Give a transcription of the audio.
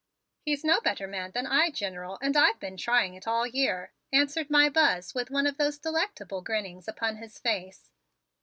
"He's no better man than I, General, and I've been trying it all year," answered my Buzz with one of those delectable grinnings upon his face.